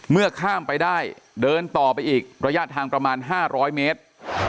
เมื่อข้ามไปได้เดินต่อไปอีกระยะทางประมาณ๕๐๐เมตร